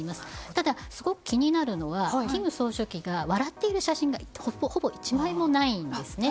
ただ、すごく気になるのは金総書記が笑っている写真が１枚もないんですね。